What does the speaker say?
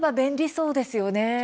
そうですね。